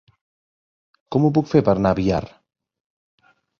Com ho puc fer per anar a Biar?